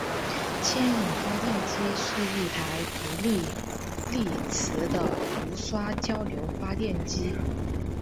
牵引发电机是一台独立励磁的无刷交流发电机。